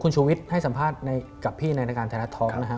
คุณชูวิตได้สัมภาษณ์กับพี่ในสถานทอล์ก